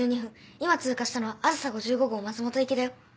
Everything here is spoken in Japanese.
今通過したのはあずさ５５号松本行きだよ。